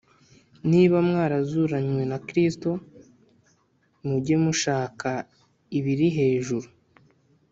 niba mwarazuranywe na Kristo, mujye mushaka ibiri hejuru,